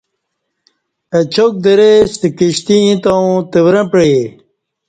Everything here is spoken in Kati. اچاک درے ستہ کشتی ییں تاوں تورں پعئے